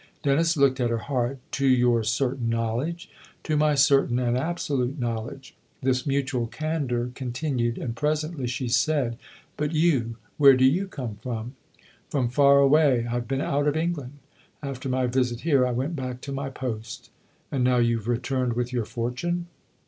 Dennis looked at her hard. "To your certain knowledge ?"" To my certain and absolute knowledge." This mutual candour continued, and presently she said :" But you where do you come from.? "" From far away I've been out of England. After my visit here I went back to my post." "And now you've returned with your fortune